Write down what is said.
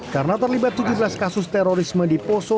karena terlibat tujuh belas kasus terorisme di poso